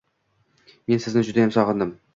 Men sizni juda sog’indim.